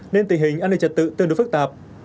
nên tình hình an ninh trật tự tương đối phức tạp